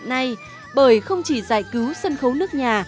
hiện nay bởi không chỉ giải cứu sân khấu nước nhà